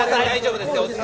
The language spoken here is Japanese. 大丈夫ですよ。